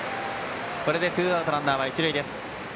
これでツーアウトランナー、一塁です。